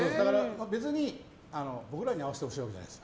別に、僕らに合わせてほしいわけじゃないです。